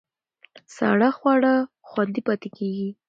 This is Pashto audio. ساړه خواړه خوندي پاتې کېږي.